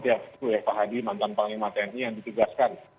ya pak hadi mantan panglima tni yang ditugaskan